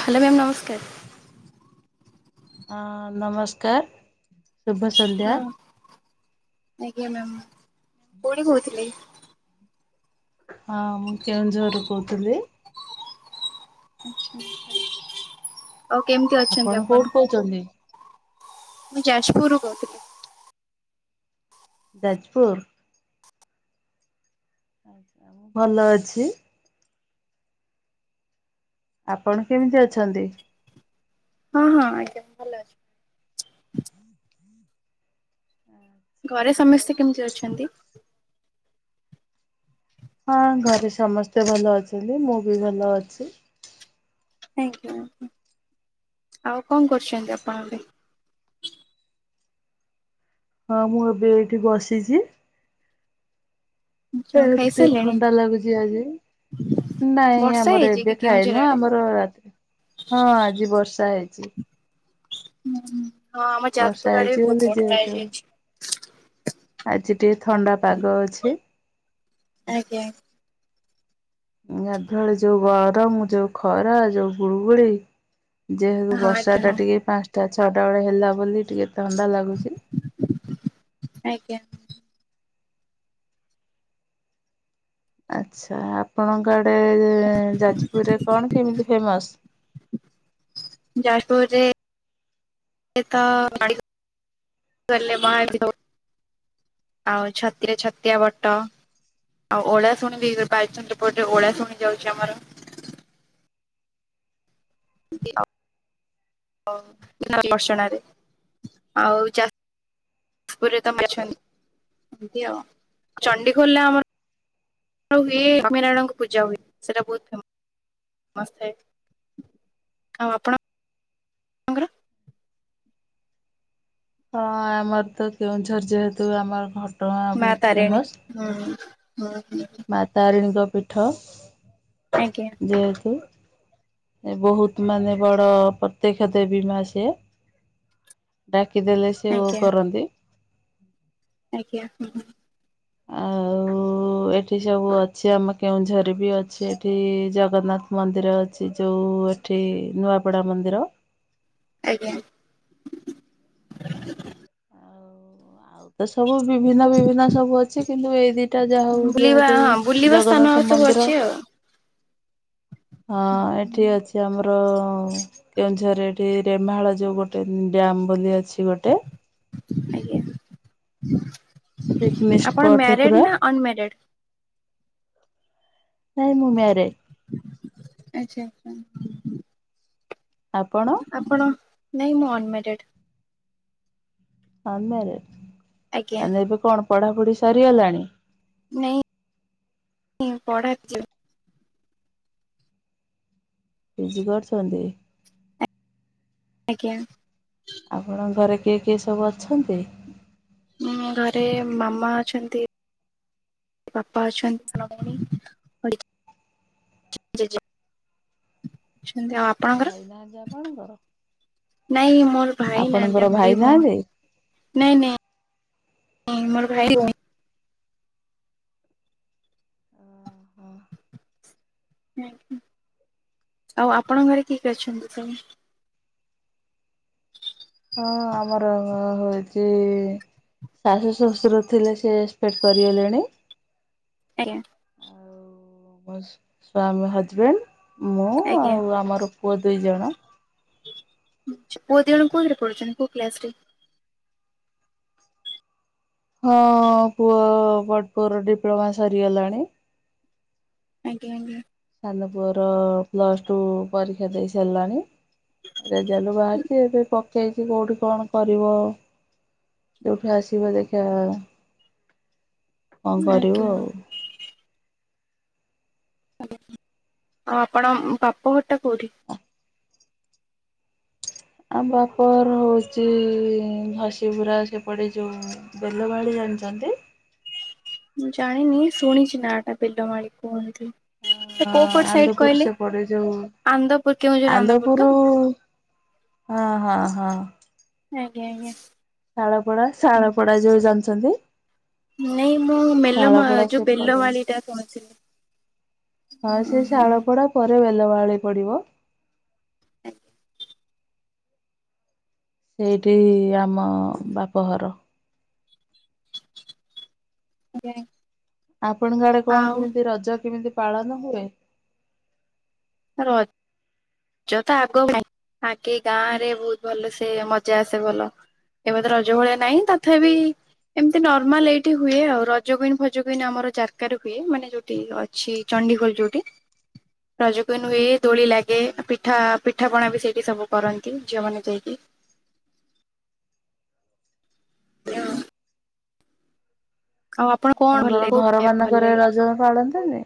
Hello ma'am ନମସ୍କାର। ଅ ନମସ୍କାର ଶୁଭ ସନ୍ଧ୍ୟା ହଁ ଆଜ୍ଞା ମ୍ୟାମ କୋଉଟି କହୁଥିଲେ। ହଁ ମୁଁ କେଉଁଝର ରୁ କହୁଥିଲି। [inaudible] ଆଉ କେମିତି ଆପଣ କୋଉଟୁ କହୁଚନ୍ତି। ମୁଁ ଯାଜପୁରରୁୁ କହୁଥିଲି। ଯାଜପୁର। ଭଲ ଅଛି। ଆପଣ କେମିତି ଅଛନ୍ତି। ହଁ ହଁ ଆଜ୍ଞା ଭଲ ଅଛି। ଘରେ ସମସ୍ତେ କେମିତି ଅଛନ୍ତି। ହଁ ଘରେ ସମସ୍ତେ ଭଲ ଅଛନ୍ତି ମୁଁ ବି ଭଲ ଅଛି। ଥାଙ୍କୟୁ ଆଉ କଣ କରୁଚନ୍ତି ଆପଣ ଏବେ। ହଁ ମୁଁ ଏବେ ଏଇଠି ବସିଚି। ସେ ଆଛା ଟିକେ ଖାଇସାରିଲେଣି? ଥଣ୍ଡା ଲାଗୁଚି ଆଜି। ନାଇଁ ବର୍ଷା ଆମର ହେଇଛି କି ଏବେ କେଉଁଝର ଖାଇନୁ ଆଡେ? ଆମର ରାତି ହଁ ଆଜି ବର୍ଷା ହେଇଚି। ହଁ ଆମ ବର୍ଷା ଯାଜପୁର ଆଡେ ହେଇଛି ବି ବୋଲି ବହୁତ ବର୍ଷା ଯେହେତୁ ହେଇଯାଇଚି। ଆଜି ଟିକେ ଥଣ୍ଡା ପାଗ ଅଛି। ଆଜ୍ଞା। ଗାଧୁଆଳେ ଯୋଉ ଗରମ ଯୋଉ ଖରା ଯୋଉ ଗୁଳୁଗୁଳି। ଯେହେତୁ ହଁ। ବର୍ଷା ଆଜ୍ଞା ଟା ହଁ ଟିକେ ପାଞ୍ଚଟା ଛଅଟା ବେଳେ ହେଲା ବୋଲି ଟିକେ ଥଣ୍ଡା ଲାଗୁଚି। ଆଜ୍ଞା। ଆଛା ଆପଣଙ୍କ ଆଡ଼େ ଯାଜପୁରରେ କଣ କେମିତି ଫେମସ୍। ଯାଜପୁରରେ [unintelligible] ଆଉ ଛତିଆ ଛତିଆ ବଟ। ଆଉ ଓଳାଶୁଣି ବି ବାଲିଚନ୍ଦ୍ରପୁର ରେ ଓଳାଶୁଣି ଯାଉଚି ଆମର। [unintelligible] [unintelligible] ଆଉ ଚାଷ [unintelligible] ଚଣ୍ଡି ଖୋଲ ଆମର ଆଉ ଲଷ୍ମୀ ନାରାୟଣଙ୍କ ପୂଜା ହୁଏ ସେଟା ବହୁ ଫେମସ [unintelligible] ଆଉ ଆପଣ ଙ୍କର। ହଁ ଆମର ତ କେଉଁଝର ଜେହେତୁ ଆମର ଘଟ ମା ତାରିଣୀ। ହୁଁ ହଁ। ମା ତାରିଣୀଙ୍କ ପୀଠ। ଆଜ୍ଞା। ଯେହେତୁ ଏ ବହୁତ ମାନେ ବଡ ପ୍ରତ୍ୟକ୍ଷ ଦେବୀ ମା ସେ। ଡାକିଦେଲେ ସେ ଓ ଆଜ୍ଞା କରନ୍ତି। ଆଜ୍ଞା ହ ହୁଁ। ଆଉ [inaudible] ଏଠି ସବୁ ଅଛି ଆମ କେଉଁଝର ବି ଅଛି ଏଠି ଜଗନ୍ନାଥ ମନ୍ଦିର ଅଛି ଯୋଉ ଏଠି ନୂଆପଡ଼ା ମନ୍ଦିର। ଆଜ୍ଞା। ଆଉ ଆଉ ତ ସବୁ ବିଭିନ୍ନ ବିଭିନ୍ନ ସବୁ ଅଛି କିନ୍ତୁ ଏଇ ଦିନ ଏଇଟା ଯାହା ହଉ ବୁଲିବା ଯେହେତୁ ହଁ ବୁଲିବା ସ୍ଥାନ ଆଉ ଜଗନ୍ନାଥ ସବୁ ମନ୍ଦିର ଅଛି ଆଉ ହଁ ଏଠି ଅଛି ଆମର ଆମର କେଉଁଝରରେ ଏଠି ରେମାଳ ଯଉ ଗୋଟେ ଡ୍ୟାମ୍ ବୋଲି ଅଛି ଗୋଟେ। ଆଜ୍ଞା, ପିକନିକ ଆପଣ ସ୍ପଟ ମ୍ୟାରେଡ ପୁରା ନା ଅନମ୍ୟାରେଡ? ନାଇ ମୁଁ ମ୍ୟାରିଡ। ଆଛା ଆଛା। ଆପଣ? ଆପଣ ନାଇଁ ମୁଁ ଅନମ୍ୟାରେଡ଼୍। ତମେ ଆଜ୍ଞା ଏବେ କଣ ପଢାପଢି ସରିଗଲାଣି? ନ ପଢା [unintelligible] ବୁଝି ପାରୁଛନ୍ତି? ଆଜ୍ଞା। ଆପଣଙ୍କ ଘରେ କିଏ କିଏ ସବୁ ଅଛନ୍ତି? ଉ ଘରେ ମାମା ଅଛନ୍ତି। ବାପା ଅଛନ୍ତି, ସାନ ଭଉଣୀ। ଜେଜ [unintelligible] ଆଉ ଆପ ଆପଣଙ୍କର? ଭାଇ ନାହାନ୍ତି ଆପଣଙ୍କର ନାଇଁ ମୋର ଭାଇ ଆପଣଙ୍କର ନାହାନ୍ତି। ଆମେ ଭାଇ ଦି ଭଉଣୀ। ନାହାନ୍ତି? ନାଇଁ ନାଇଁ ମୋର ଭାଇ ଆଜ୍ଞା, ଆଉ ଆପଣ ଘରେ କିଏ କିଏ ଅଛନ୍ତି ସବୁ? ହଁ ଆମର ହଉଛି ଶାଶୁ ଶ୍ୱଶୁର ଥିଲେ ସେ ଏକ୍ସପେକ୍ଟ କରିଗଲେଣି। ଆଜ୍ଞା। ଆଉ ମୋ ସା ହଜବେଣ୍ଡ ମୁଁ ଆଜ୍ଞା ଆଉ ଆମର ପୁଅ ଦୁଇ ଜଣ। ପୁଅ ଦି ଜଣ କୋଉଥିରେ ପଢୁଛନ୍ତି କୋଉ କ୍ଲାସ ରେ? ହଁ ପୁଅ ବଡପୁଅର ଡିପ୍ଲୋମା ସରିଗଲାଣି। ଆଜ୍ଞା ଆଜ୍ଞା। ସାନପୁଅର ପ୍ଲସ୍ ଟୁ ପରୀକ୍ଷା ଦେଇସାରିଲାଣି। ରେଜାଲ୍ଟ ବାହାରିଛି। ଏବେ ପକେଇଛି କୋଉଠି କଣ କରିବ? ଯୋଉଠି ଆସିବ ଦେଖିବା କଣ କରିବୁ ଆଜ୍ଞା। ଆଉ। ଆଉ ଆପଣ ବାପ ଘରଟା କଉଠି? ଆମ ବାପଘର ହଉଛି ଘସିବୁରା ସେପଟେ ଯୋଉ ବେଲବାହାଳି ଜାଣିଛନ୍ତି? ମୁଁ ଜାଣିନି ଶୁଣିଛି ନା ଟା ବେଲମାଳି କୁହନ୍ତି। ସେ କୋପଟ ସାଇଡ ଆନ୍ଦପୁର କହିଲେ? ସେପଟେ ଯୋଉ ଆନନ୍ଦପୁର କେଉଁଝ ଆନ୍ଦପୁର ତ। ହଁ ହଁ ହଁ। ଆଜ୍ଞା ଆଜ୍ଞା। ଶାଳପଡା ଶାଳପଡା ଯୋଉ ଜାଣିଛନ୍ତି? ନାଇଁ ମୁଁ ମେଲ ଶାଳପଡା ଯୋଉ ସେପଟେ ବେଲମାଳି ଟା କହୁଥିଲି। ହଁ, ସେ ଶାଳପଡା ପରେ ବେଲବାହାଳି ପଡିବ। [inaudible] ସେଇଠି ଆମ ବାପଘର। ମୁଁ ଜାଣେ। ଆପଣଙ୍କ ଆଡେ କଣ କେମିତି ରଜ କେମିତି ପାଳନ ହୁଏ? ର ରଜ ତ ଆଗ ନାଇଁ ଆଗେ ଗାଁ ରେ ବହୁତ ଭଲସେ ମଜା ଆସେ ଭଲ। ଏବେ ତ ରଜ ଭଳିଆ ନାଇଁ ତଥାପି ଏମିତି ନର୍ମାଲ ଏଇଠି ହୁଏ ଆଉ ରଜ କୁଇନ୍ ଫଜ କୁଇନ୍ ଆମର ଜାରକାରେ ହୁଏ ମାନେ ଯୋଉଠି ଅ ଅଛି ଚଣ୍ଡିଖୋଲ ଯୋଉଠି ରଜ କୁଇନ୍ ହୁଏ ଦୋଳି ଲା ଗେ ଆଉ ପିଠା ପିଠା ପିଠା ପଣା ବି ସେଇଠି ସବୁ କରନ୍ତି ଝିଅ ମାନେ ଯାଇକି। ଆଉ ଆପଣ କଣ ଭଲ ଆପଣଙ୍କର ଲାଗେ କୋଉ ଘର ଖାଇବାକୁ ଭଲ ମାନଙ୍କରେ ଲାଗେ? ରଜ ପାଳନ୍ତିନି?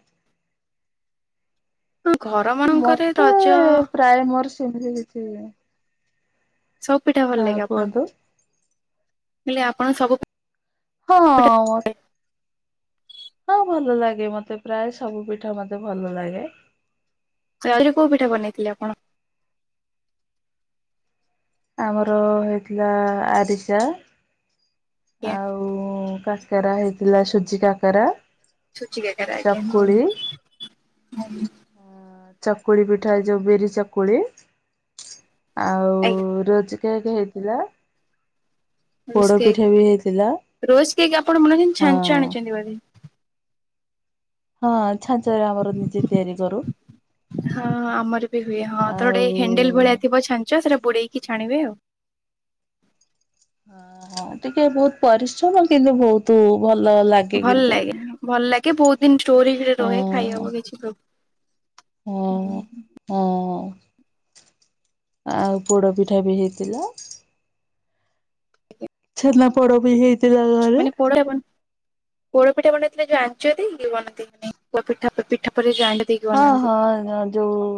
ହଁ ଘର ମାନଙ୍କରେ ରଜ ପ୍ରାୟେ ମୋର ସେମିତି କିଛି ସବୁ ପିଠା ଭଲ ହଁ ଲାଗେ କୁହନ୍ତୁ ଆପଣଙ୍କୁ କହିଲି ଆପଣ ସବୁ ପିଠା ହଁ। ହଁ ଭଲ ଲାଗେ ମତେ ପ୍ରାୟେ ସବୁ ପିଠା ମତେ ଭଲ ଲାଗେ। ରଜ ରେ କୋଉ ପିଠା ବନେଇଥିଲେ ଆପଣ? ଆମର ହେଇଥିଲା ଆରିସା। ଜ୍ଞା। ଉଁ କାକେରା ହେଇଥିଲା ସୁଜି କାକେରା। ସୁଜି କାକେରା ଆଜ୍ଞା। ଚକୁଳି ପିଠା ଯୋଉ ବିରି ଚକୁଳି। ଆଉ ରୋଜ କେକ୍ ହେଇଥିଲା। ରୋଜ ପୋଡ ପିଠା ବି ହେଇଥିଲା କେକ୍ ରୋଜ କେକ୍ ଆପଣ ବନେଇଚନ୍ତି ହଁ ଛାଞ୍ଚ ଆଣିଚନ୍ତି ବୋଧେ। ହଁ ଛାଞ୍ଚ ରେ ଆମର ନିଜେ ତିଆରି କରୁ। ହଁଁ ହଁ ଆମର ବି ହୁଏ ହଁ ତ ଆଉ ଗୋଟେ ହେଣ୍ଡେଲ ହଁ ଭଳିଆ ଥିବ ଛାଞ୍ଚ ସେଇଟା ବୁଡେଇକି ଛାଣିବେ ଆଉ। ଅ ହଁ ଟିକେ ବହୁତ ପରିଶ୍ରମ କିନ୍ତୁ ବହୁତୁ ଭଲ ଲା ଭଲ ଲାଗେ ଭଲ ଲାଗେ ବହୁତ ଦିନ ଷ୍ଟୋର ହେଇକିରି ରହେ ହଁ ଖାଇଆକୁ କିଛି ପ୍ରୋ ହୁଁ ହୁଁ। ହଁ ହଁ ଆଉ ପୋଡ଼ ପିଠା ବି ହେଇଥିଲା। ଛେନାପୋଡ଼ ବି ହେଇଥିଲା ଘରେ। ପୋଡ଼ ପିଠା ବନ ପୋଡ଼ ପିଠା ବନେଇଥିଲେ ଯୋଉ ଆଞ୍ଚ ଦେଇକି ବନାନ୍ତି [inaudible] ପୋଡ଼ ପିଠା ପ-ପିଠା ପରେ ଯୋଉ ଆ ଦେଇ ହଁ ହଁ ଅଁ ଯୋଉ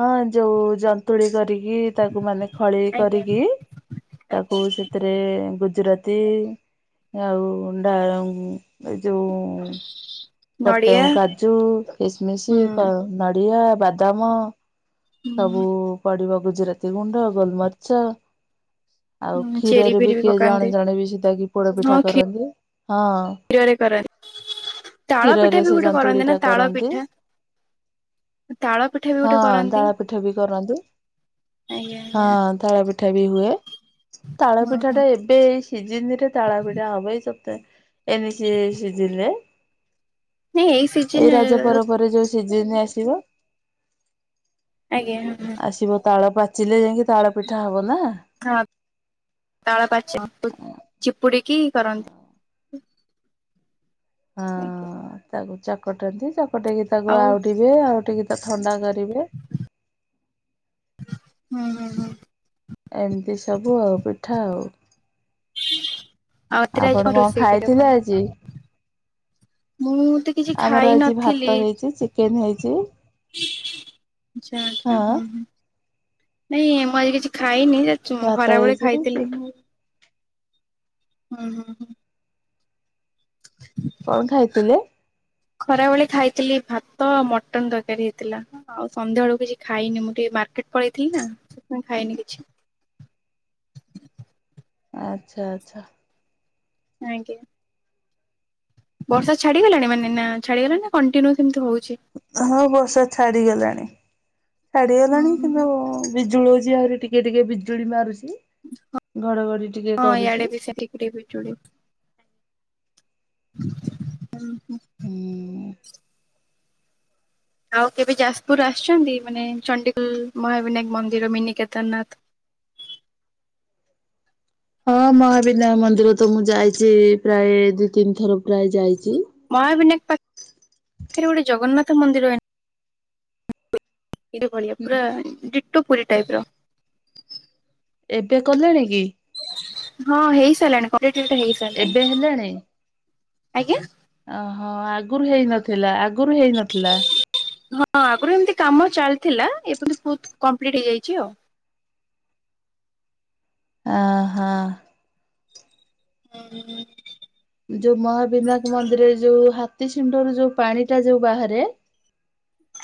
ହଁ ଯୋଉ ଜ ନ୍ତୁଳି କରିକି ତାକୁ ମାନେ ଖଳେଇ ଆଜ୍ଞା କରିକି ଆଜ୍ଞା ତାକୁ ସେ ଥିରେ ଗୁଜୁରାତି ଆଉ ଡାଳଂ ଏ ଯୋଉ ପତ୍ ନଡିଆ ଉଁ କାଜୁ, କିସମିସି, ହୁଁ କ ନଡିଆ, ବାଦାମ। ସବୁ ପଡିବ ଗୁଜୁରାତି ଗୁଣ୍ଡ ଗୋଲମରିଚ। ଆଉ ହୁଁ ଚେରି କ୍ଷୀରରେ ବି ଫେରି କିଏ ଜଣେ ପକାନ୍ତି ଜଣେ ବି ସେଟାକିି ପୋଡ଼ ହଁ ପିଠା କରନ୍ତି ହଁ। କ୍ଷୀରରେ କରନ୍ତି। ତାଳ ପିଠା କ୍ଷୀରରେ ବି ସେ ଗୋଟେ କରନ୍ତି ଜନ୍ତୁଳି ନା ଟା ତାଳ କରନ୍ତି। ପିଠା ତାଳ ପିଠା। ବି ହଁ ଗୋଟେ କରନ୍ତି। ତାଳପିଠା ବି କରନ୍ତି। ଆଜ୍ଞା ଆଜ୍ଞା ହଁ ତାଳ ପିଠା ବି ହୁଏ ତାଳ ହଁ ପିଠା ହଁ ଟା ଏ ଏ ଏଇ ସିଜିନିରେ ତାଳପିଠା ହବ ଏଇ ସପ୍ତାହେ ଏ ମି ସି-ସିଜିନି ରେ। ନାଇଁ ଏଇ ସିଜନ ଏଇ ରଜ ପର ପରେ ଯୋଉ ସିଜିନ ଆସିବ। ଆଜ୍ଞା ହଁ ହଁ। ଆସିବ ତାଳ ପାଚିଲେ ଯାଇକି ତାଳ ପିଠା ହବ ନା। ହଁ ତାଳ ପାଚେ [inaudible] ଚିପୁଡିକି କରନ୍ତି। [inaudible] ହଁ ଆଜ୍ଞା ତାକୁ ଚକଟନ୍ତି ଚକଟେଇକି ତାକୁ ଆଉ ଟିବେ ଆଉଟିକି ତା ଥଣ୍ଡା କରିବେ। ହୁଁ ହୁଁ ହୁଁ। ଏମିତି ସବୁ ଆଉ ପିଠା ଆଉ। ଆଉ ରାତିରେ ଆଜି ଆପଣ କଣ ରୋଷେଇ କରିବେ ଆପଣ? ଖାଇଥିଲେ ଆଜି? ମୁଁ ତ କିଛି ଖାଇ ଆମର ଆଜି ନଥିଲି ଭାତ ହେଇଚି ଚିକେନ ହେଇଚି। ଆଛା ଆଛା ହୁଁ ହୁଁ ନାଇଁ ମୁଁ ଆଜି କିଛି ଖାଇନି। ଚୁ ମୁଁ ଭାତ ଖରାବେଳେ ହେଇଛି ଖାଇଥିଲି ମୁଁ। ହୁଁ ହୁଁ ହୁଁ। କଣ ଖାଇଥିଲେ? ଖରାବେଳେ ଖାଇଥିଲି ଭାତ ଆଉ ମଟନ ତରକାରୀ ହେଇଥିଲା। ଆଉ ସନ୍ଧ୍ୟା ବେଳୁ କିଛି ଖାଇନି ମୁଁ ଟିକେ ମାର୍କେଟ ପଳେଇଥିଲି ନା ସେଥିପାଇଁ ଖାଇନି କିଛି। ଆଚ୍ଛା ଆଚ୍ଛା। ଆଜ୍ଞା। ବର୍ଷା ଛାଡିଗଲାଣି ମାନେ ନା ଛାଡିଗଲାଣି ନା କଣ୍ଟିନ୍ୟୁ ସେମିତି ହଉଚି? ହଁ ବର୍ଷା ଛାଡିଗଲାଣି। ଛାଡିଗଲାଣି କିନ୍ତୁ ବିଜୁଳଉଚି ଆହୁରି ଟିକେ ଟିକେ ବିଜୁଳି ମାରୁଚି। ହଁ ଇାଆଡେ ବି ସେ ଟିକେ ଟିକେ ବିଜୁଳି ହୁଁ ହୁଁ। ହୁଁ। ଆଉ କେବେ ଯାଜପୁର ଆସିଚନ୍ତି? ମାନେ ଚଣ୍ଡିଖୋଲ, ମହାବିନାୟକ ମନ୍ଦିର, ମିନି କେଦାରନାଥ। ହଁ ମହାବିିନାୟ ମନ୍ଦିର ତ ମୁଁ ଯାଇଚି ପ୍ରାୟ ଦି ତିନି ଥର ପ୍ରାୟ ଯାଇଚି। ମହାବିନାୟକ ପା ଖରେ ଗୋଟେ ଜଗନ୍ନାଥ ମନ୍ଦିର ପୁରୀ ଭଳିିଆ ପୁରା ଡିଟୋ ପୁରୀ ଟାଇପ୍ ର। ଏବେ କଲେଣି କି? ହଁ ହେଇସାଇଲାଣି କମ୍ପ୍ଲିଟେଟ୍ ହେଇସାଇଲାଣି ଏବେ ହେଲାଣି ଆଜ୍ଞା। ଓହୋ ଆଗୁରୁ ହେଇନଥିଲା ଆଗୁରୁ ହେଇ ନଥିଲା। ହଁ ଆଗରୁ ଏମିତି କାମ ଚାଲିଥିଲା ଏବେ ବି ବହୁତ୍ କମ୍ପ୍ଲିଟ ହେଇଯାଇଚି ଆଉ। ଅ ହ। ହୁଁ ଯୋଉ ମହାବିନାୟକ୍ ମନ୍ଦିରରେ ଯୋଉ ହାତୀ ଶୁଣ୍ଢ ରୁ ଯୋଉ ପାଣି ଟା ଯୋଉ ବାହାରେ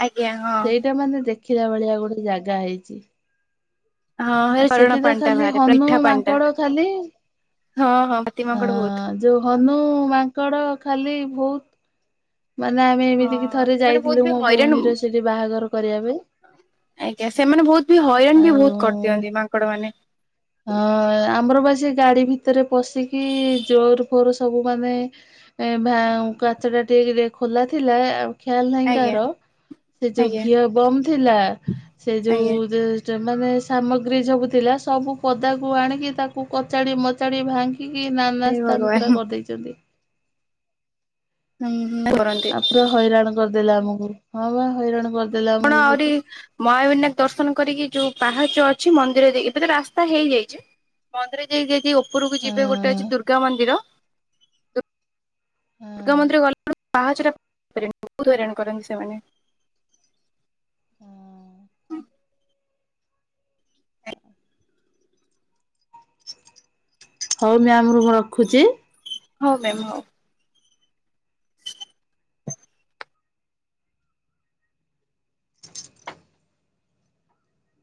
ଆଜ୍ଞା ହଁ। ସେଇଟା ମାନେ ଦେଖିଲା ଭଳିଆ ଗୋଟେ ଜାଗା ହେଇଚି। ହଁ ହେଇ ଝରଣା ପାଣି ଟା ଖାଲି ବାହାରେ ହନୁ ମିଠା ପାଣି ଟା ମାଙ୍କଡ ଖାଲି ହଁ ହଁ ପାତି ମାଙ୍କଡ଼ ବୋହୁତ। ଯଉ ହନୁ ମାଙ୍କଡ଼ ଖାଲି ଭୋଉ ମାନେ ଆମେ ଏମିତିକି ହଁ ଥରେ ସେମାନେ ବହୁତ ଯାଇଥିଲୁ ବି ମୋ ହଇରାଣ ଭଉଣୀର ସେଠି ବାହାଘର କରିବା ପାଇଁ। ଆଜ୍ଞା ସେମାନେ ବହୁତ୍ ବି ହଇରାଣ ବି ଆଉ ବହୁତ୍ କରିଦିଅନ୍ତି ମାଙ୍କଡ ମାନେ। ହଁ ଆମର ବା ସେଇ ଗାଡି ଭିତରେ ପଶିକି ଜୋର ଫୋର ସବୁ ମାନେ ଏ ଭା କାଚ ଟା ଠିକ୍ ରେ ଖୋଲା ଥିଲା ଆଉ ଖିଆଲ ନାହିଁ ଆଜ୍ଞା କାହାର ସେ ଯୋଉ ଆଜ୍ଞା ଘିଅ ବମ୍ ଥିଲା ସେ ଆଜ୍ଞା ଯୋଉ ଚ ମାନେ ସାମଗ୍ରୀ ସବୁ ଥିଲା ସବୁ ପଦାକୁ ଆଣିକି ତାକୁ କଚାଡ଼ି ମଚାଡ଼ି ଭାଙ୍ଗି କି ନାନା ହେ ସ୍ଥାନ ଭଗବାନ। ପୁରା କରିଦେଇଚନ୍ତି। ହୁଁ ହୁଁ [unintelligible] ଆଉ ପୁରା ହଇରାଣ କରିଦେଲା ଆମୁକୁ ହଁ ବା ହଇରାଣ କରିଦେଲା ଆପଣ ଆମକୁ ଆହୁରି ବହୁତ। ମହାବିନାୟକ ଦର୍ଶନ କରିକି ଯୋଉ ପାହାଚ ଅଛି ମନ୍ଦିର ଦେଇ ଏବେ ତ ରାସ୍ତା ହେଇଯାଇଚି। ମନ୍ଦିର [unintelligible] ଓପୁରୁକୁ ଯିବେ ଗୋଟେ ହଁ ଅଛି ଦୁର୍ଗା ମନ୍ଦିର ହଁ ଦୁର୍ଗା ମନ୍ଦିର ଗଲାବେଳୁ ବାହାଚ ଟା ବହୁତ ହଇରାଣ କରନ୍ତି ସେମାନେ। ହୁଁ। ହଉ ମ୍ୟାାମ୍ ରୁ ମୁଁ ରଖୁଚି। ହୋଉ ମ୍ୟାମ୍ ହୋଉ।